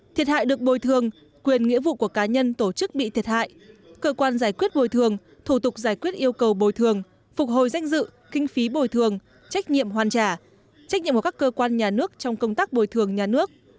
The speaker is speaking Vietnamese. thiệt hại được bồi thường quyền nghĩa vụ của cá nhân tổ chức bị thiệt hại cơ quan giải quyết bồi thường thủ tục giải quyết yêu cầu bồi thường phục hồi danh dự kinh phí bồi thường trách nhiệm hoàn trả trách nhiệm của các cơ quan nhà nước trong công tác bồi thường nhà nước